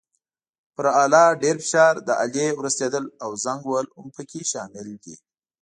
پر آله ډېر فشار، د آلې ورستېدل او زنګ وهل هم پکې شامل دي.